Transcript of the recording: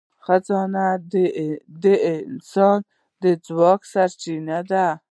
خزانه د انسان د ځواک سرچینه ده.